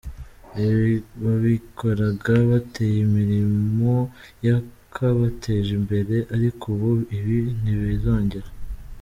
Ibi babikoraga bataye imirimo yakabateje imbere, ariko ubu ibi ntibizongera”.